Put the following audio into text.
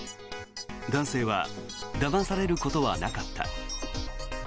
男性はだまされることはなかった。